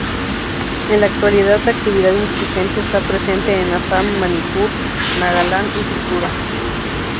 En la actualidad la actividad insurgente está presente en Assam, Manipur, Nagaland y Tripura.